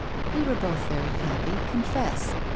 We were both very happy. Confess!